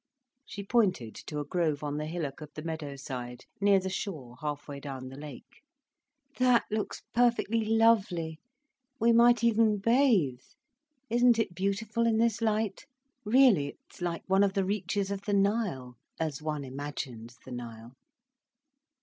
She pointed to a grove on the hillock of the meadow side, near the shore half way down the lake. "That looks perfectly lovely. We might even bathe. Isn't it beautiful in this light. Really, it's like one of the reaches of the Nile—as one imagines the Nile."